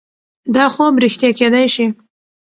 دا خوب رښتیا کیدای شي.